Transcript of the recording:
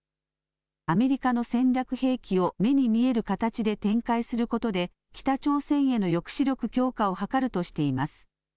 アメリカの戦略兵器を目に見える形で展開することで北朝鮮への抑止力強化を図るとしています。